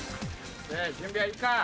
準備はいいか？